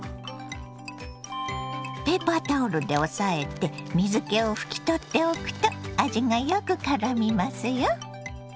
ペーパータオルで押さえて水けを拭き取っておくと味がよくからみますよ。